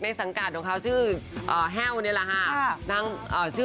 สังกัดของเขาชื่อแห้วนี่แหละค่ะ